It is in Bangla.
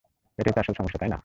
এটাই তো আসল সমস্যা, তাই না?